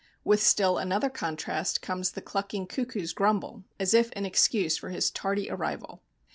With still another contrast comes the clucking cuckoo's grumble as if in excuse for his tardy arrival.